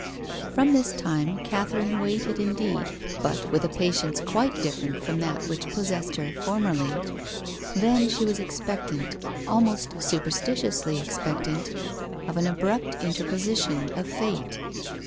From this time Catherine waited indeed, but with a patience quite different from that which possessed her formerly. Then she was expectant, almost superstitiously expectant, of an abrupt in " WILLIAM FOSTER. 1 73 terposition of Fate.